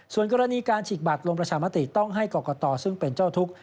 ส่วนกรณีการฉีกบัตรลงประชามติต้องให้กรกตซึ่งเป็นเจ้าทุกข์